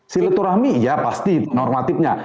silaturahmi ya pasti normatifnya